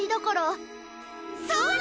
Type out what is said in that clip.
そうだ！